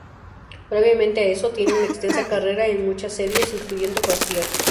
Previamente a eso, tiene una extensa carrera en muchas series, incluyendo "Frasier".